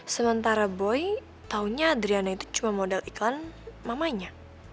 sementara boy taunya adriana itu cuma modal iklan mamanya